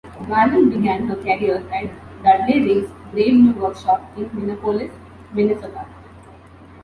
Wallem began her career at Dudley Riggs' Brave New Workshop in Minneapolis, Minnesota.